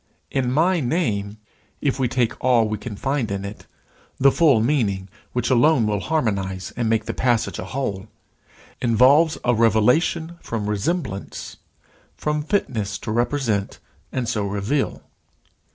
In my name, if we take all we can find in it, the full meaning which alone will harmonize and make the passage a whole, involves a revelation from resemblance, from fitness to represent and so reveal.